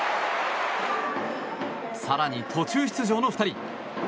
更に途中出場の２人。